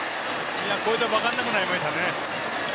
これで分からなくなりましたね。